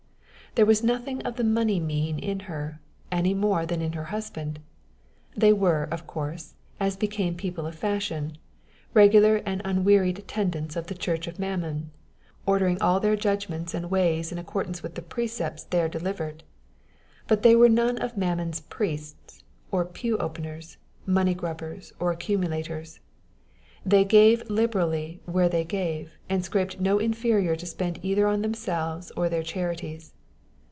There was nothing of the money mean in her, any more than in her husband. They were of course, as became people of fashion, regular and unwearied attendants of the church of Mammon, ordering all their judgments and ways in accordance with the precepts there delivered; but they were none of Mammon's priests or pew openers, money grubs, or accumulators. They gave liberally where they gave, and scraped no inferior to spend either on themselves or their charities.